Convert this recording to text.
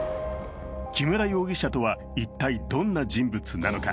木村容疑者とは一体どんな人物なのか。